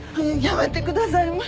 やめてください！